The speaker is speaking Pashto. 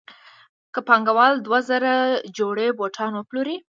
که پانګوال دوه زره جوړې بوټان وپلوري